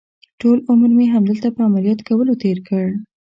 ټول عمر مې همدلته په عملیات کولو تېر کړ.